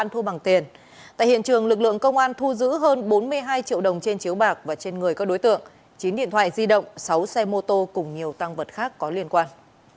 tại hiện trường lực lượng công an thu giữ hơn bốn mươi hai triệu đồng trên chiếu bạc và trên người các đối tượng chín điện thoại di động sáu xe mô tô cùng nhiều tăng vật khác có liên quan